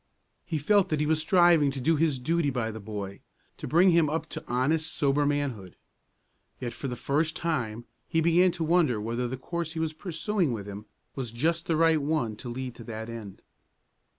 He felt that he was striving to do his duty by the boy, to bring him up to honest, sober manhood. Yet for the first time he began to wonder whether the course he was pursuing with him was just the right one to lead to that end.